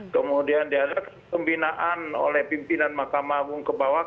kemudian diadakan pembinaan oleh pimpinan mahkamah agung ke bawah